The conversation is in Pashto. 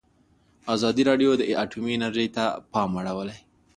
ازادي راډیو د اټومي انرژي ته پام اړولی.